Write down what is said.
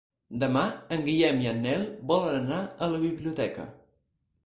Demà en Guillem i en Nel volen anar a la biblioteca.